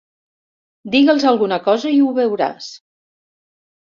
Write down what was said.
Digue'ls alguna cosa i ho veuràs.